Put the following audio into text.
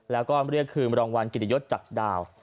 แล้วก็เรียกคืนรางวัลกิจยศจากดาว